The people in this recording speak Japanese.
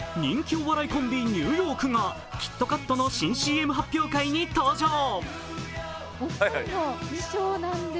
人気お笑いコンビ、ニューヨークがキットカットの新ＣＭ発表会に登場。